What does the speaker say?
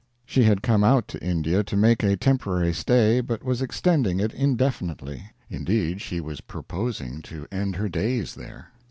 She had come out to India to make a temporary stay, but was extending it indefinitely; indeed, she was purposing to end her days there.